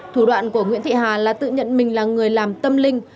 thủ đoạn của nguyễn thị hà là tự nhận mình là người làm tâm linh